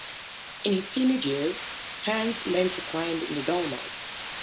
In his teenage years, Hans learned to climb in the Dolomites.